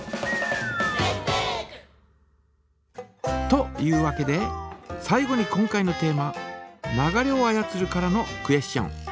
というわけで最後に今回のテーマ「流れを操る」からのクエスチョン。